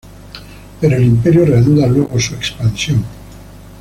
Pero el Imperio reanuda luego su expansión.